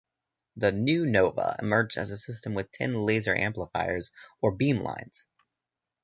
The "new Nova" emerged as a system with ten laser amplifiers, or "beamlines".